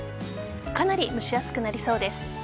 かなり蒸し暑くなりそうです。